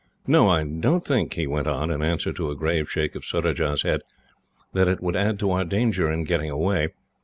"No, I don't think," he went on, in answer to a grave shake of Surajah's head, "that it would add to our danger in getting away.